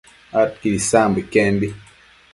adquid isambo iquembi